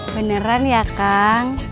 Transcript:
beneran ya kang